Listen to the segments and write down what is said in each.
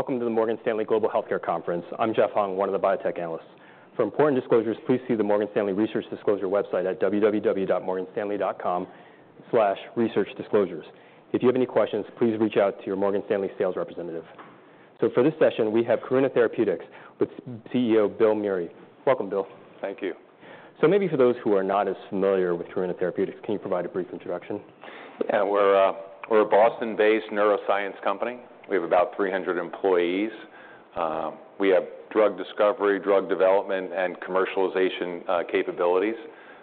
Welcome to the Morgan Stanley Global Healthcare Conference. I'm Jeff Hung, one of the biotech analysts. For important disclosures, please see the Morgan Stanley Research Disclosure website at www.morganstanley.com/researchdisclosures. If you have any questions, please reach out to your Morgan Stanley sales representative. So for this session, we have Karuna Therapeutics with CEO Bill Meury. Welcome, Bill. Thank you. Maybe for those who are not as familiar with Karuna Therapeutics, can you provide a brief introduction? Yeah. We're a, we're a Boston-based neuroscience company. We have about 300 employees. We have drug discovery, drug development, and commercialization capabilities.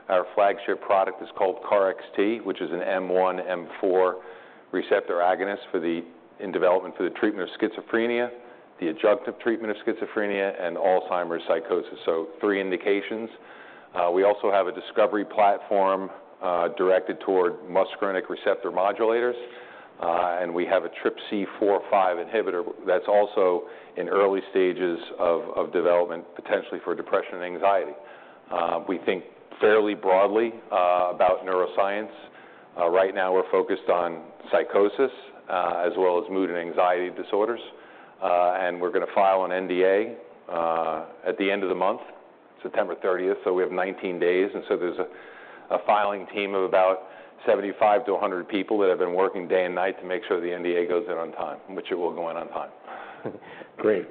Our flagship product is called KarXT, which is an M1/M4 receptor agonist for the in development for the treatment of schizophrenia, the adjunctive treatment of schizophrenia, and Alzheimer's psychosis. So three indications. We also have a discovery platform directed toward muscarinic receptor modulators, and we have a TRPC4/5 inhibitor that's also in early stages of development, potentially for depression and anxiety. We think fairly broadly about neuroscience. Right now, we're focused on psychosis as well as mood and anxiety disorders. And we're going to file an NDA at the end of the month, September thirtieth. We have 19 days, and so there's a filing team of about 75-100 people that have been working day and night to make sure the NDA goes in on time, which it will go in on time. Great.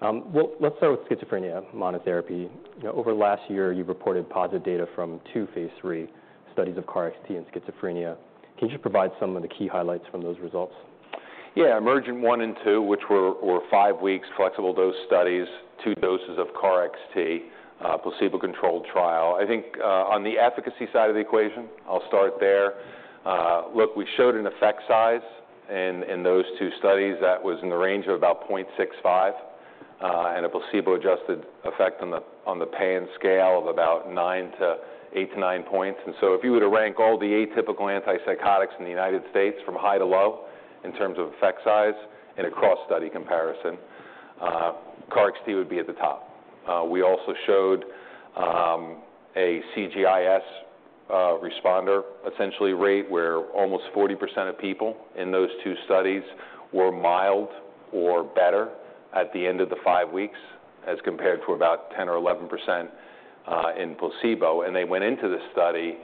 Well, let's start with schizophrenia monotherapy. You know, over the last year, you've reported positive data from two phase 3 studies of KarXT in schizophrenia. Can you just provide some of the key highlights from those results? Yeah. EMERGENT-1 and EMERGENT-2, which were five weeks flexible dose studies, two doses of KarXT, placebo-controlled trial. I think on the efficacy side of the equation, I'll start there. Look, we showed an effect size in those two studies that was in the range of about 0.65, and a placebo-adjusted effect on the PANSS scale of about 8-9 points. And so if you were to rank all the atypical antipsychotics in the United States from high to low in terms of effect size in a cross-study comparison, KarXT would be at the top. We also showed a CGI-S responder, essentially rate, where almost 40% of people in those two studies were mild or better at the end of the five weeks, as compared to about 10% or 11% in placebo, and they went into the study,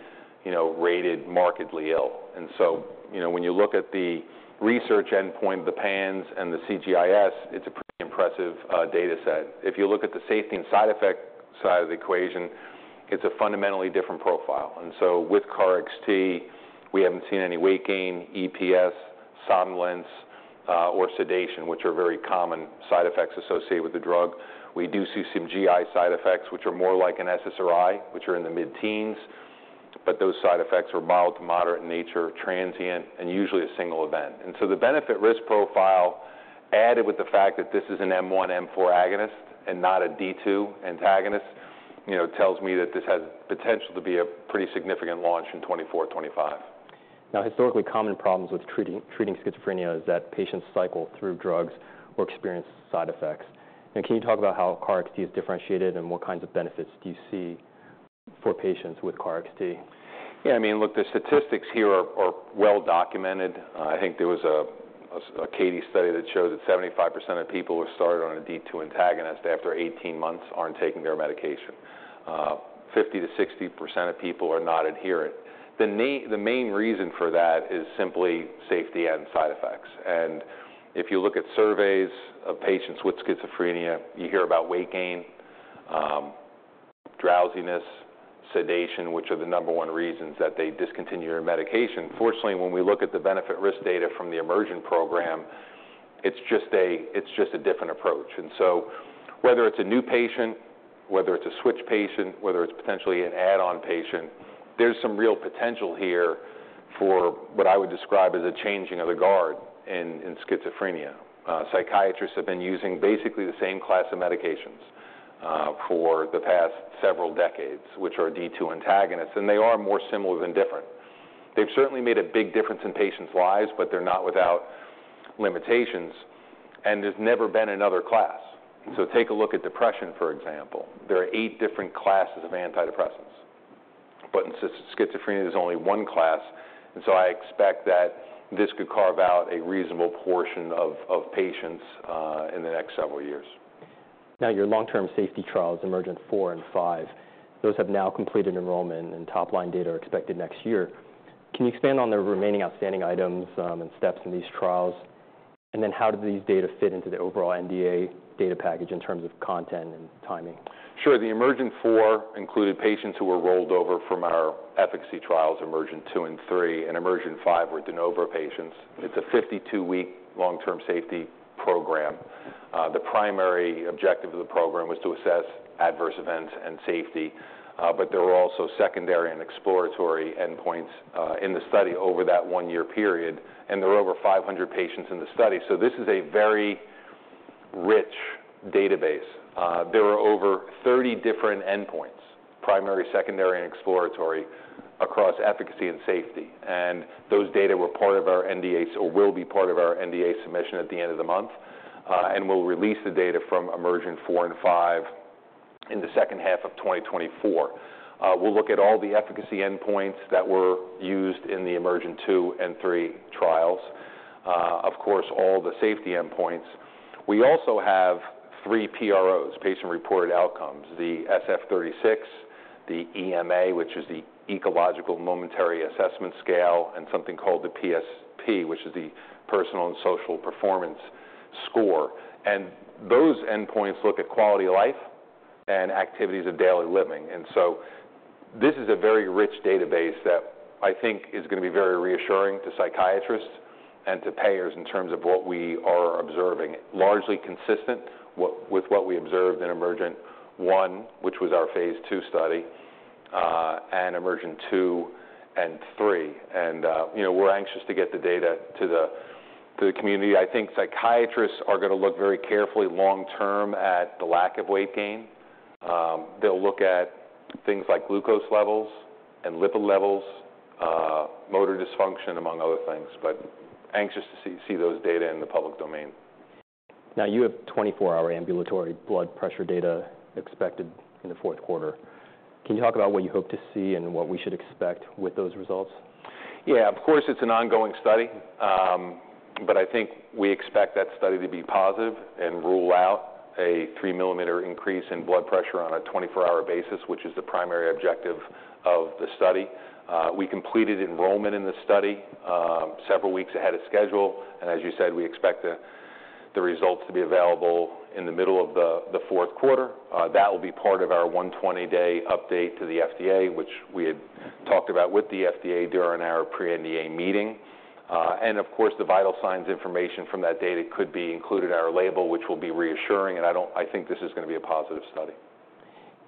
you know, rated markedly ill. And so, you know, when you look at the research endpoint, the PANSS and the CGI-S, it's a pretty impressive data set. If you look at the safety and side effect side of the equation, it's a fundamentally different profile. And so with KarXT, we haven't seen any weight gain, EPS, somnolence or sedation, which are very common side effects associated with the drug. We do see some GI side effects, which are more like an SSRI, which are in the mid-teens, but those side effects were mild to moderate in nature, transient, and usually a single event. And so the benefit risk profile, added with the fact that this is an M1/M4 agonist and not a D2 antagonist, you know, tells me that this has potential to be a pretty significant launch in 2024, 2025. Now, historically, common problems with treating schizophrenia is that patients cycle through drugs or experience side effects. Can you talk about how KarXT is differentiated, and what kinds of benefits do you see for patients with KarXT? Yeah, I mean, look, the statistics here are well documented. I think there was a CATIE study that showed that 75% of people who started on a D2 antagonist after 18 months aren't taking their medication. 50%-60% of people are not adherent. The main reason for that is simply safety and side effects. And if you look at surveys of patients with schizophrenia, you hear about weight gain, drowsiness, sedation, which are the number one reasons that they discontinue their medication. Fortunately, when we look at the benefit risk data from the EMERGENT program, it's just a different approach. And so whether it's a new patient, whether it's a switch patient, whether it's potentially an add-on patient, there's some real potential here for what I would describe as a changing of the guard in schizophrenia. Psychiatrists have been using basically the same class of medications for the past several decades, which are D2 antagonists, and they are more similar than different. They've certainly made a big difference in patients' lives, but they're not without limitations, and there's never been another class. So take a look at depression, for example. There are eight different classes of antidepressants, but in schizophrenia, there's only one class, and so I expect that this could carve out a reasonable portion of patients in the next several years. Now, your long-term safety trials, EMERGENT-4 and EMERGENT-5, those have now completed enrollment and top-line data are expected next year. Can you expand on the remaining outstanding items, and steps in these trials? And then how do these data fit into the overall NDA data package in terms of content and timing? Sure. The EMERGENT-4 included patients who were rolled over from our efficacy trials, EMERGENT-2 and 3, and EMERGENT-5 were de novo patients. It's a 52-week long-term safety program. The primary objective of the program was to assess adverse events and safety, but there were also secondary and exploratory endpoints in the study over that one-year period, and there were over 500 patients in the study. So this is a very rich database. There were over 30 different endpoints, primary, secondary, and exploratory, across efficacy and safety, and those data were part of our NDA or will be part of our NDA submission at the end of the month. And we'll release the data from EMERGENT-4 and 5 in the second half of 2024. We'll look at all the efficacy endpoints that were used in the EMERGENT-2 and EMERGENT-3 trials, of course, all the safety endpoints. We also have three PROs, patient-reported outcomes: the SF-36, the EMA, which is the Ecological Momentary Assessment scale, and something called the PSP, which is the Personal and Social Performance score. And those endpoints look at quality of life and activities of daily living. And so this is a very rich database that I think is going to be very reassuring to psychiatrists and to payers in terms of what we are observing, largely consistent with, with what we observed in EMERGENT-1, which was our phase two study, and EMERGENT-2 and EMERGENT-3. And, you know, we're anxious to get the data to the, to the community. I think psychiatrists are going to look very carefully long-term at the lack of weight gain. They'll look at things like glucose levels and lipid levels, motor dysfunction, among other things, but anxious to see those data in the public domain. Now, you have 24-hour ambulatory blood pressure data expected in the fourth quarter. Can you talk about what you hope to see and what we should expect with those results? Yeah, of course, it's an ongoing study. But I think we expect that study to be positive and rule out a 3-mm increase in blood pressure on a 24-hour basis, which is the primary objective of the study. We completed enrollment in the study, several weeks ahead of schedule, and as you said, we expect the results to be available in the middle of the fourth quarter. That will be part of our 120-day update to the FDA, which we had talked about with the FDA during our pre-NDA meeting. And of course, the vital signs information from that data could be included in our label, which will be reassuring, and I don't - I think this is going to be a positive study.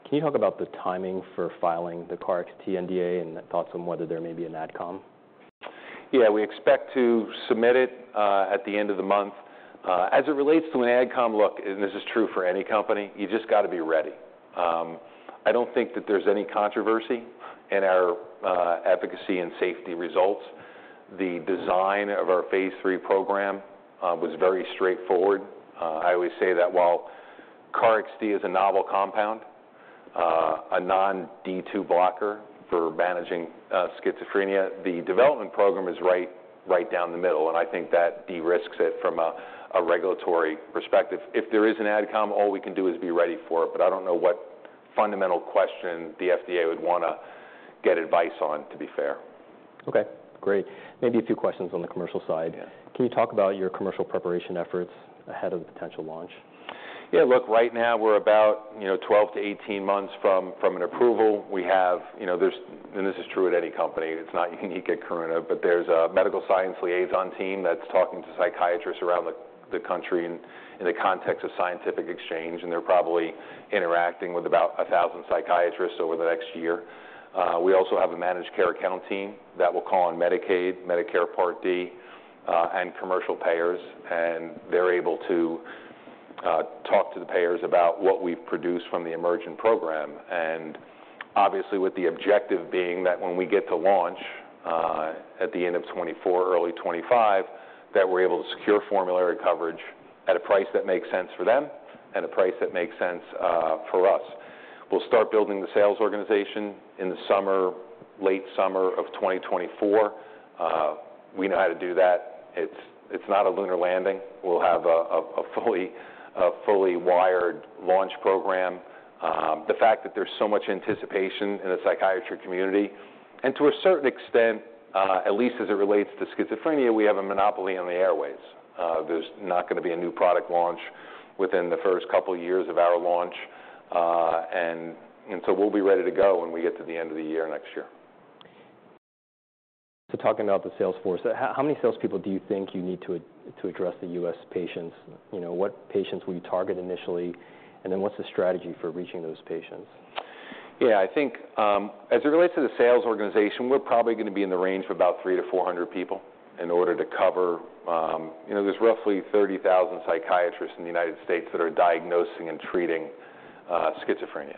Can you talk about the timing for filing the KarXT NDA and thoughts on whether there may be an Ad Com? Yeah, we expect to submit it at the end of the month. As it relates to an Ad Com, look, and this is true for any company, you just got to be ready. I don't think that there's any controversy in our efficacy and safety results. The design of our phase three program was very straightforward. I always say that while KarXT is a novel compound, a non-D2 blocker for managing schizophrenia, the development program is right, right down the middle, and I think that de-risks it from a regulatory perspective. If there is an Ad Com, all we can do is be ready for it, but I don't know what fundamental question the FDA would want to get advice on, to be fair. Okay, great. Maybe a few questions on the commercial side. Yeah. Can you talk about your commercial preparation efforts ahead of the potential launch? Yeah, look, right now we're about, you know, 12-18 months from an approval. We have... You know, there's, and this is true at any company, it's not unique at Karuna, but there's a medical science liaison team that's talking to psychiatrists around the country and in the context of scientific exchange, and they're probably interacting with about 1,000 psychiatrists over the next year. We also have a managed care account team that will call on Medicaid, Medicare Part D, and commercial payers, and they're able to talk to the payers about what we've produced from the EMERGENT program. And obviously, with the objective being that when we get to launch at the end of 2024, early 2025, that we're able to secure formulary coverage at a price that makes sense for them and a price that makes sense for us. We'll start building the sales organization in the summer, late summer of 2024. We know how to do that. It's not a lunar landing. We'll have a fully wired launch program. The fact that there's so much anticipation in the psychiatry community, and to a certain extent, at least as it relates to schizophrenia, we have a monopoly on the airways. There's not going to be a new product launch within the first couple of years of our launch. And so we'll be ready to go when we get to the end of the year next year. Talking about the sales force, how many salespeople do you think you need to address the U.S. patients? You know, what patients will you target initially, and then what's the strategy for reaching those patients? Yeah, I think, as it relates to the sales organization, we're probably going to be in the range of about 300-400 people in order to cover... You know, there's roughly 30,000 psychiatrists in the United States that are diagnosing and treating schizophrenia.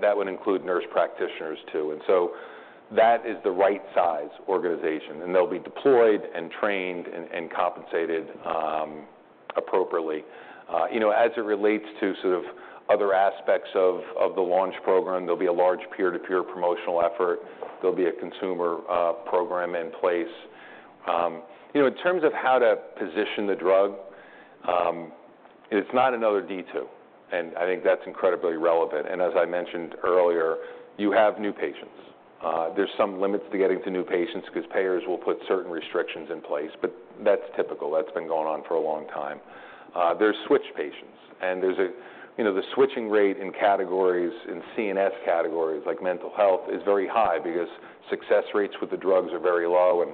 That would include nurse practitioners, too. And so that is the right size organization, and they'll be deployed and trained and compensated appropriately. You know, as it relates to sort of other aspects of the launch program, there'll be a large peer-to-peer promotional effort. There'll be a consumer program in place. You know, in terms of how to position the drug, it's not another D2, and I think that's incredibly relevant. And as I mentioned earlier, you have new patients. There's some limits to getting to new patients because payers will put certain restrictions in place, but that's typical. That's been going on for a long time. There's switch patients, and there's a, you know, the switching rate in categories, in CNS categories, like mental health, is very high because success rates with the drugs are very low and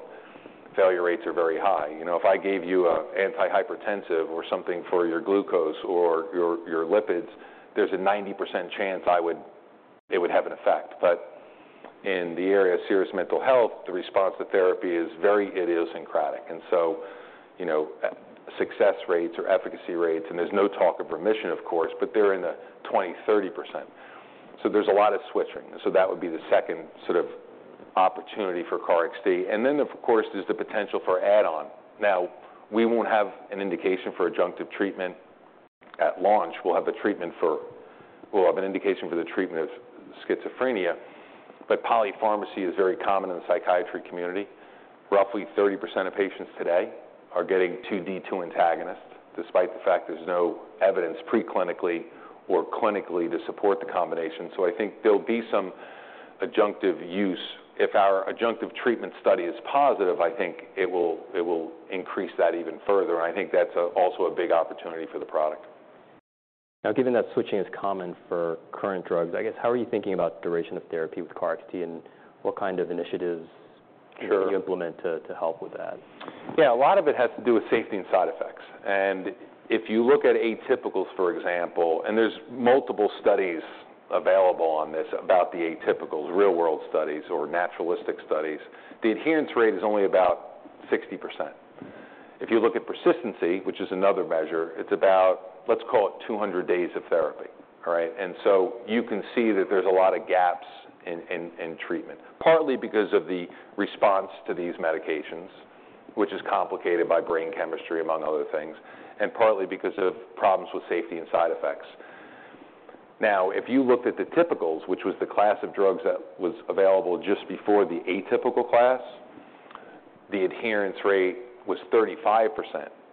failure rates are very high. You know, if I gave you a antihypertensive or something for your glucose or your, your lipids, there's a 90% chance it would have an effect. But in the area of serious mental health, the response to therapy is very idiosyncratic. And so, you know, success rates or efficacy rates, and there's no talk of remission, of course, but they're in the 20%-30% range.... So there's a lot of switching, so that would be the second sort of opportunity for KarXT. And then, of course, there's the potential for add-on. Now, we won't have an indication for adjunctive treatment at launch. We'll have the treatment for-- We'll have an indication for the treatment of schizophrenia, but polypharmacy is very common in the psychiatry community. Roughly 30% of patients today are getting two D2 antagonists, despite the fact there's no evidence preclinically or clinically to support the combination. So I think there'll be some adjunctive use. If our adjunctive treatment study is positive, I think it will, it will increase that even further, and I think that's also a big opportunity for the product. Now, given that switching is common for current drugs, I guess, how are you thinking about duration of therapy with KarXT, and what kind of initiatives- Sure. Do you implement to, to help with that? Yeah, a lot of it has to do with safety and side effects. If you look at atypicals, for example, and there's multiple studies available on this, about the atypicals, real-world studies or naturalistic studies, the adherence rate is only about 60%. If you look at persistency, which is another measure, it's about, let's call it 200 days of therapy. All right? So you can see that there's a lot of gaps in treatment, partly because of the response to these medications, which is complicated by brain chemistry, among other things, and partly because of problems with safety and side effects. Now, if you looked at the typicals, which was the class of drugs that was available just before the atypical class, the adherence rate was 35%,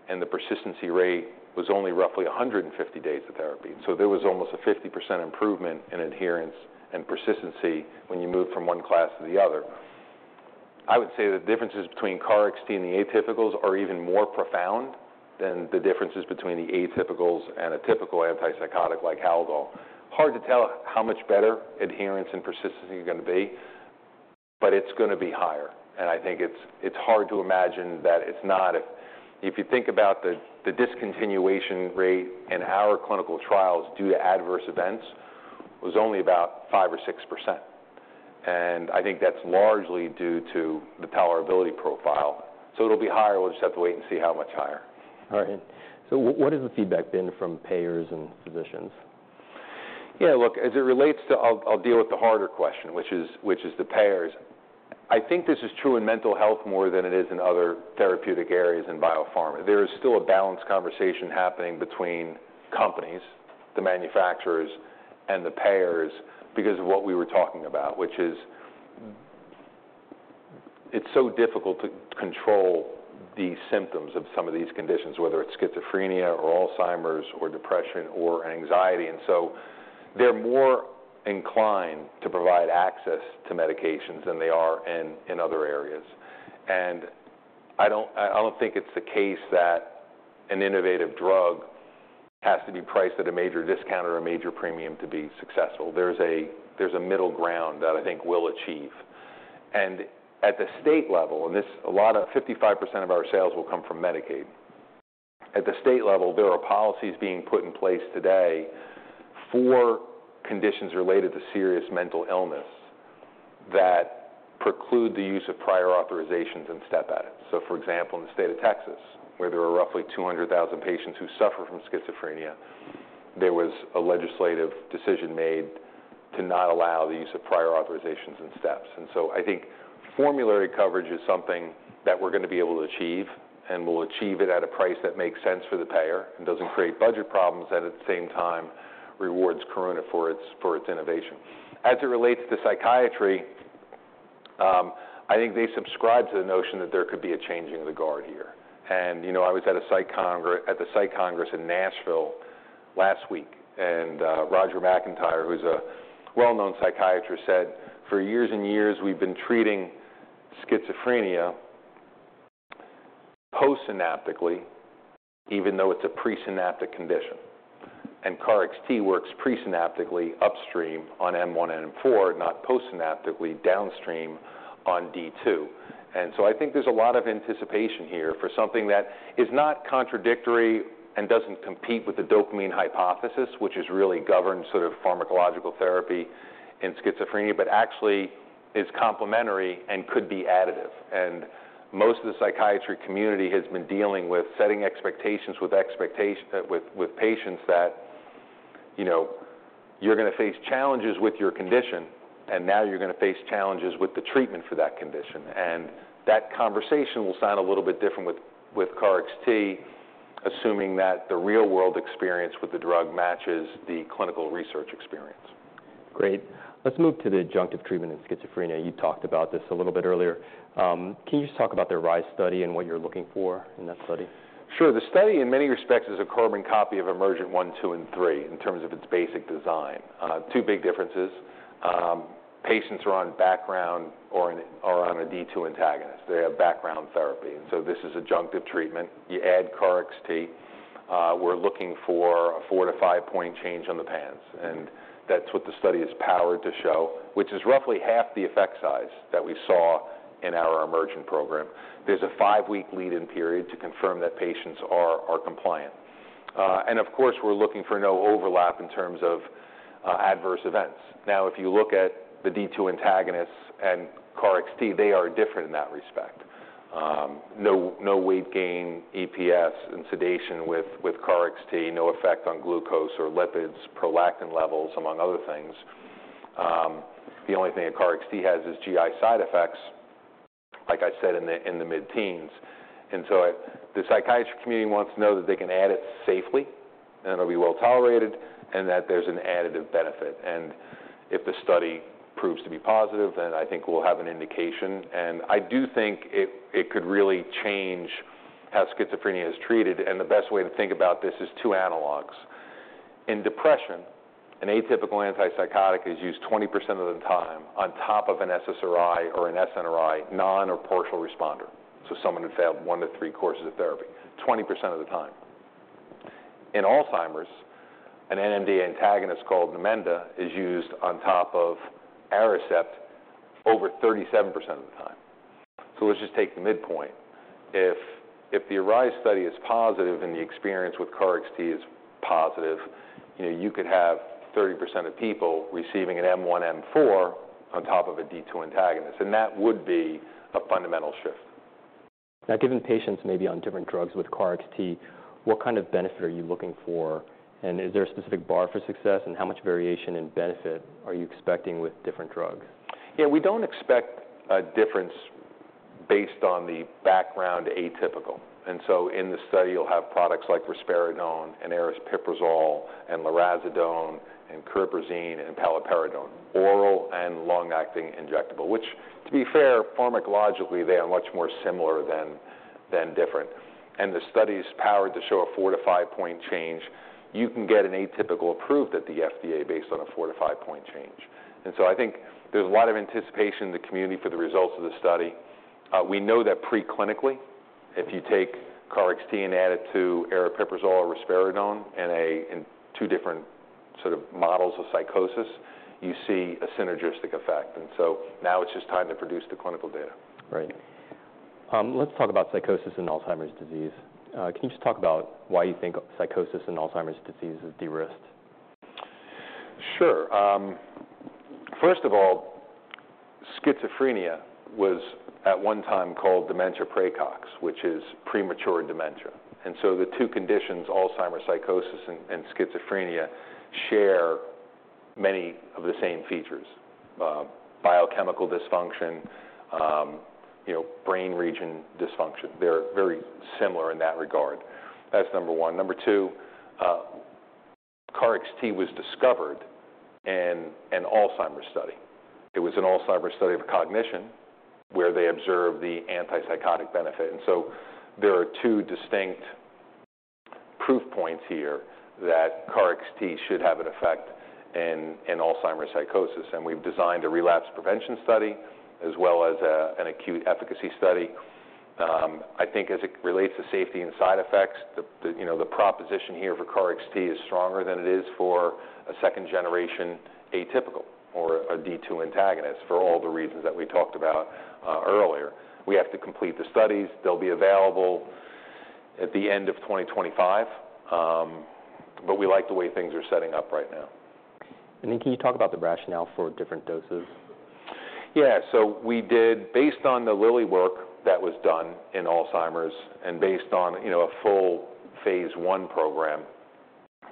and the persistency rate was only roughly 150 days of therapy. So there was almost a 50% improvement in adherence and persistency when you moved from one class to the other. I would say the differences between KarXT and the atypicals are even more profound than the differences between the atypicals and a typical antipsychotic like Haldol. Hard to tell how much better adherence and persistency are gonna be, but it's gonna be higher, and I think it's, it's hard to imagine that it's not. If, if you think about the, the discontinuation rate in our clinical trials due to adverse events was only about 5% or 6%, and I think that's largely due to the tolerability profile. So it'll be higher. We'll just have to wait and see how much higher. All right. So what has the feedback been from payers and physicians? Yeah, look, as it relates to... I'll deal with the harder question, which is the payers. I think this is true in mental health more than it is in other therapeutic areas in biopharma. There is still a balanced conversation happening between companies, the manufacturers, and the payers because of what we were talking about, which is, it's so difficult to control the symptoms of some of these conditions, whether it's schizophrenia or Alzheimer's or depression or anxiety, and so they're more inclined to provide access to medications than they are in other areas. And I don't think it's the case that an innovative drug has to be priced at a major discount or a major premium to be successful. There's a middle ground that I think we'll achieve. And at the state level, and this, a lot of 55% of our sales will come from Medicaid. At the state level, there are policies being put in place today for conditions related to serious mental illness that preclude the use of prior authorizations and step edits. So, for example, in the state of Texas, where there are roughly 200,000 patients who suffer from schizophrenia, there was a legislative decision made to not allow the use of prior authorizations and steps. And so I think formulary coverage is something that we're gonna be able to achieve, and we'll achieve it at a price that makes sense for the payer and doesn't create budget problems and, at the same time, rewards Karuna for its, for its innovation. As it relates to psychiatry, I think they subscribe to the notion that there could be a changing of the guard here. And, you know, I was at a Psych Congress in Nashville last week, and Roger McIntyre, who's a well-known psychiatrist, said: "For years and years, we've been treating schizophrenia postsynaptically, even though it's a presynaptic condition," and KarXT works presynaptically upstream on M1 and M4, not postsynaptically downstream on D2. And so I think there's a lot of anticipation here for something that is not contradictory and doesn't compete with the dopamine hypothesis, which has really governed sort of pharmacological therapy in schizophrenia, but actually is complementary and could be additive. Most of the psychiatry community has been dealing with setting expectations with patients that, you know, you're gonna face challenges with your condition, and now you're gonna face challenges with the treatment for that condition. That conversation will sound a little bit different with KarXT, assuming that the real-world experience with the drug matches the clinical research experience. Great. Let's move to the adjunctive treatment in schizophrenia. You talked about this a little bit earlier. Can you just talk about the ARISE study and what you're looking for in that study? Sure. The study, in many respects, is a carbon copy of EMERGENT-1, EMERGENT-2, and EMERGENT-3 in terms of its basic design. Two big differences, patients are on background or on a D2 antagonist. They have background therapy, and so this is adjunctive treatment. You add KarXT. We're looking for a 4-5-point change on the PANSS, and that's what the study is powered to show, which is roughly half the effect size that we saw in our EMERGENT program. There's a 5-week lead-in period to confirm that patients are compliant. And of course, we're looking for no overlap in terms of adverse events. Now, if you look at the D2 antagonists and KarXT, they are different in that respect.... No, no weight gain, EPS, and sedation with, with KarXT, no effect on glucose or lipids, prolactin levels, among other things. The only thing that KarXT has is GI side effects, like I said, in the, in the mid-teens. And so I—the psychiatry community wants to know that they can add it safely, and it'll be well tolerated, and that there's an additive benefit. And if the study proves to be positive, then I think we'll have an indication, and I do think it, it could really change how schizophrenia is treated. And the best way to think about this is two analogs. In depression, an atypical antipsychotic is used 20% of the time on top of an SSRI or an SNRI, non or partial responder, so someone who failed 1-3 courses of therapy, 20% of the time. In Alzheimer's, an NMDA antagonist called Namenda is used on top of Aricept over 37% of the time. So let's just take the midpoint. If, if the ARISE study is positive and the experience with KarXT is positive, you know, you could have 30% of people receiving an M1, M4 on top of a D2 antagonist, and that would be a fundamental shift. Now, given patients may be on different drugs with KarXT, what kind of benefit are you looking for? And is there a specific bar for success, and how much variation in benefit are you expecting with different drugs? Yeah, we don't expect a difference based on the background atypical. And so in the study, you'll have products like risperidone and aripiprazole and lurasidone and cariprazine and paliperidone, oral and long-acting injectable, which, to be fair, pharmacologically, they are much more similar than different. And the study is powered to show a 4- to 5-point change. You can get an atypical approved at the FDA based on a 4- to 5-point change. And so I think there's a lot of anticipation in the community for the results of the study. We know that preclinically, if you take KarXT and add it to aripiprazole or risperidone in two different sort of models of psychosis, you see a synergistic effect. And so now it's just time to produce the clinical data. Right. Let's talk about psychosis in Alzheimer's disease. Can you just talk about why you think psychosis in Alzheimer's disease is de-risked? Sure. First of all, schizophrenia was at one time called dementia praecox, which is premature dementia. And so the two conditions, Alzheimer's psychosis and schizophrenia, share many of the same features. Biochemical dysfunction, you know, brain region dysfunction. They're very similar in that regard. That's number one. Number two, KarXT was discovered in an Alzheimer's study. It was an Alzheimer's study of cognition, where they observed the antipsychotic benefit. And so there are two distinct proof points here that KarXT should have an effect in Alzheimer's psychosis, and we've designed a relapse prevention study as well as an acute efficacy study. I think as it relates to safety and side effects, you know, the proposition here for KarXT is stronger than it is for a second-generation atypical or a D2 antagonist for all the reasons that we talked about earlier. We have to complete the studies. They'll be available at the end of 2025. But we like the way things are setting up right now. Can you talk about the rationale for different doses? Yeah. So we did. Based on the Lilly work that was done in Alzheimer's and based on, you know, a full phase 1 program,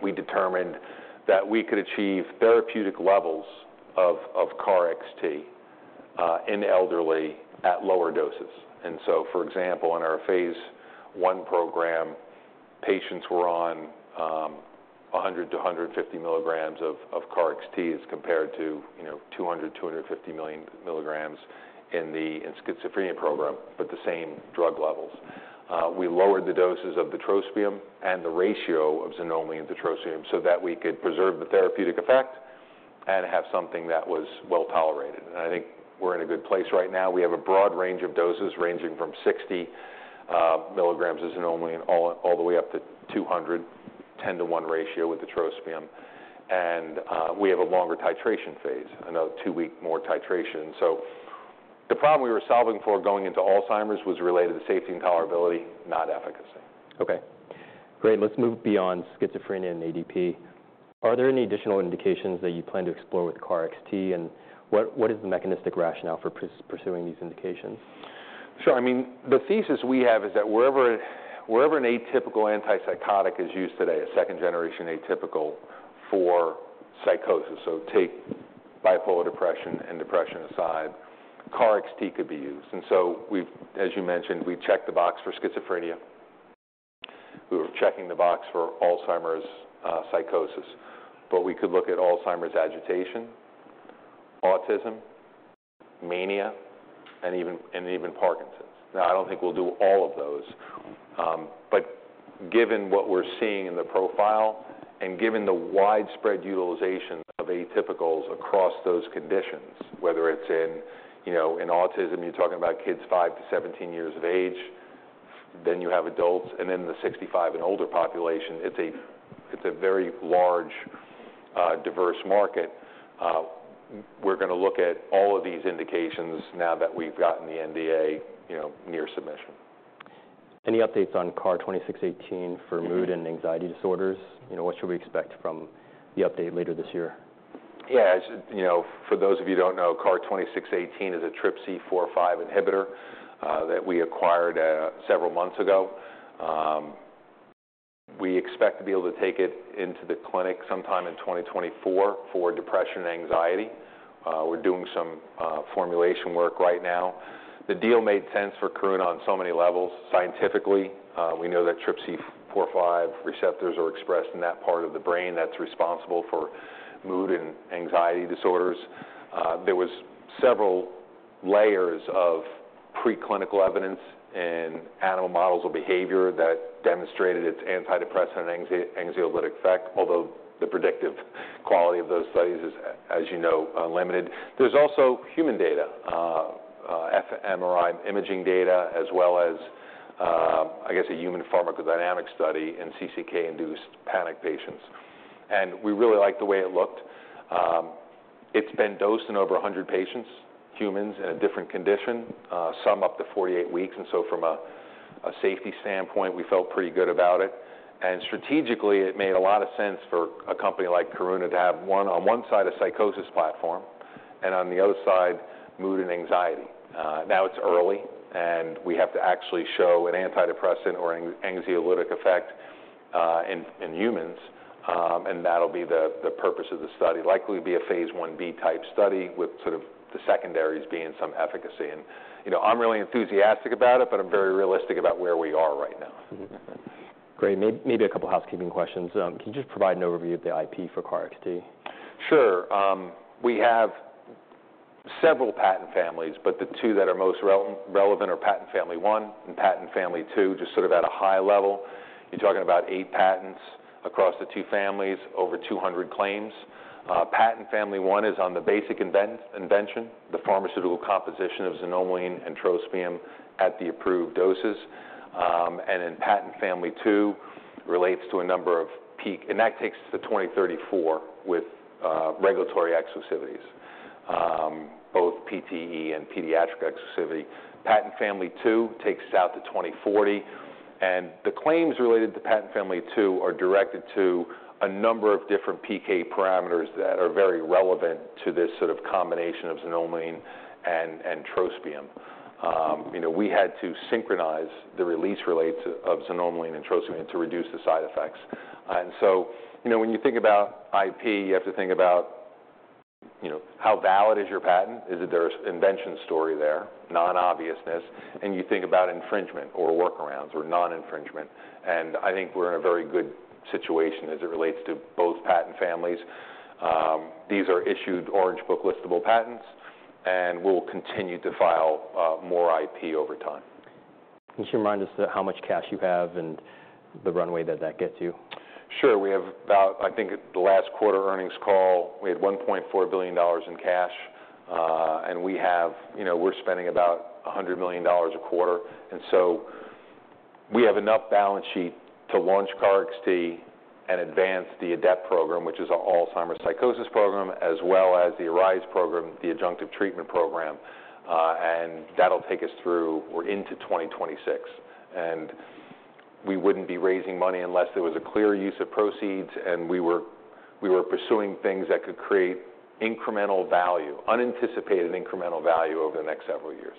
we determined that we could achieve therapeutic levels of KarXT in elderly at lower doses. And so, for example, in our phase 1 program, patients were on 100-150 milligrams of KarXT as compared to, you know, 200-250 milligrams in the schizophrenia program, but the same drug levels. We lowered the doses of the trospium and the ratio of xanomeline to trospium so that we could preserve the therapeutic effect and have something that was well tolerated. And I think we're in a good place right now. We have a broad range of doses, ranging from 60 milligrams of xanomeline, all, all the way up to 200, 10-to-1 ratio with the trospium. And we have a longer titration phase, another 2-week more titration. So the problem we were solving for going into Alzheimer's was related to safety and tolerability, not efficacy. Okay, great. Let's move beyond schizophrenia and ADEPT. Are there any additional indications that you plan to explore with KarXT, and what is the mechanistic rationale for pursuing these indications? Sure. I mean, the thesis we have is that wherever, wherever an atypical antipsychotic is used today, a second-generation atypical for psychosis, so take bipolar depression and depression aside, KarXT could be used. And so we've, as you mentioned, we've checked the box for schizophrenia. We were checking the box for Alzheimer's psychosis, but we could look at Alzheimer's agitation, autism, mania, and even, and even Parkinson's. Now, I don't think we'll do all of those. But given what we're seeing in the profile and given the widespread utilization of atypicals across those conditions, whether it's in, you know, in autism, you're talking about kids 5 to 17 years of age, then you have adults, and then the 65 and older population, it's a very large, diverse market. We're gonna look at all of these indications now that we've gotten the NDA, you know, near submission. ...Any updates on KAR-2618 for mood and anxiety disorders? You know, what should we expect from the update later this year? Yeah, as you know, for those of you who don't know, KAR-2618 is a TRPC4/5 inhibitor that we acquired several months ago. We expect to be able to take it into the clinic sometime in 2024 for depression and anxiety. We're doing some formulation work right now. The deal made sense for Karuna on so many levels. Scientifically, we know that TRPC4/5 receptors are expressed in that part of the brain that's responsible for mood and anxiety disorders. There was several layers of preclinical evidence in animal models of behavior that demonstrated its antidepressant and anxiolytic effect, although the predictive quality of those studies is, as you know, limited. There's also human data, fMRI imaging data, as well as, I guess, a human pharmacodynamic study in CCK-induced panic patients. And we really like the way it looked. It's been dosed in over 100 patients, humans in a different condition, some up to 48 weeks, and so from a safety standpoint, we felt pretty good about it. And strategically, it made a lot of sense for a company like Karuna to have one - on one side, a psychosis platform, and on the other side, mood and anxiety. Now, it's early, and we have to actually show an antidepressant or an anxiolytic effect in humans, and that'll be the purpose of the study. Likely, it will be a phase 1b type study, with sort of the secondaries being some efficacy. And, you know, I'm really enthusiastic about it, but I'm very realistic about where we are right now. Great. Maybe a couple of housekeeping questions. Can you just provide an overview of the IP for KarXT? Sure. We have several patent families, but the two that are most relevant are patent family one and patent family two, just sort of at a high level. You're talking about 8 patents across the two families, over 200 claims. Patent family one is on the basic invention, the pharmaceutical composition of xanomeline and trospium at the approved doses. And then patent family two relates to a number of PK, and that takes to 2034 with regulatory exclusivities, both PTE and pediatric exclusivity. Patent family two takes us out to 2040, and the claims related to patent family two are directed to a number of different PK parameters that are very relevant to this sort of combination of xanomeline and trospium. You know, we had to synchronize the release rate of xanomeline and trospium to reduce the side effects. And so, you know, when you think about IP, you have to think about, you know, how valid is your patent? Is there an invention story there, non-obviousness, and you think about infringement or workarounds or non-infringement, and I think we're in a very good situation as it relates to both patent families. These are issued Orange Book listable patents, and we'll continue to file more IP over time. Can you remind us how much cash you have and the runway that that gets you? Sure. We have about... I think at the last quarter earnings call, we had $1.4 billion in cash, and we have—you know, we're spending about $100 million a quarter. And so we have enough balance sheet to launch KarXT and advance the ADEPT program, which is our Alzheimer's psychosis program, as well as the ARISE program, the adjunctive treatment program, and that'll take us through or into 2026. And we wouldn't be raising money unless there was a clear use of proceeds, and we were pursuing things that could create incremental value, unanticipated incremental value over the next several years.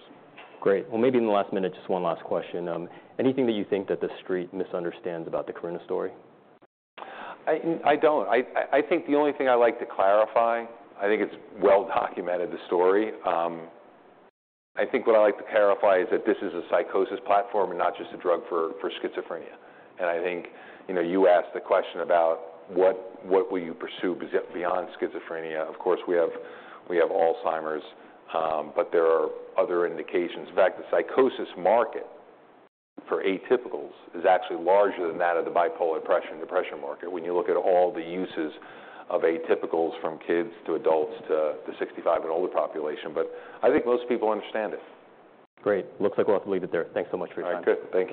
Great. Well, maybe in the last minute, just one last question. Anything that you think that the street misunderstands about the Karuna story? I think the only thing I'd like to clarify, I think it's well documented, the story. I think what I'd like to clarify is that this is a psychosis platform and not just a drug for schizophrenia. And I think, you know, you asked the question about what will you pursue beyond schizophrenia? Of course, we have Alzheimer's, but there are other indications. In fact, the psychosis market for atypicals is actually larger than that of the bipolar depression, depression market when you look at all the uses of atypicals, from kids to adults to 65-and-older population. But I think most people understand it. Great. Looks like we'll have to leave it there. Thanks so much for your time. All right, good. Thank you.